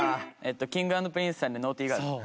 Ｋｉｎｇ＆Ｐｒｉｎｃｅさんで『ＮａｕｇｈｔｙＧｉｒｌ』。